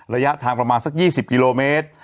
ระยะทางประมาณสัก๒๐กิโลเมตร